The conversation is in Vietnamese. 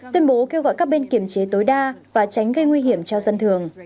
tuyên bố kêu gọi các bên kiểm chế tối đa và tránh gây nguy hiểm cho dân thường